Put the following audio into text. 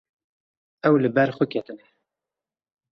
Ew li ber xwe ketine.